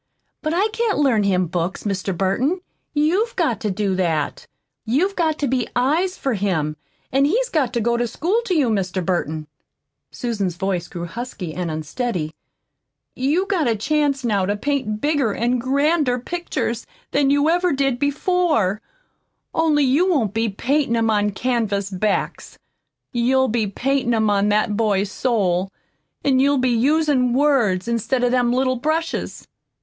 But I can't learn him books, Mr. Burton. You've got to do that. You've got to be eyes for him, an' he's got to go to school to you. Mr. Burton," Susan's voice grew husky and unsteady, "you've got a chance now to paint bigger an' grander pictures than you ever did before, only you won't be paintin' 'em on canvas backs. You'll be paintin' 'em on that boy's soul, an' you'll be usin' words instead of them little brushes."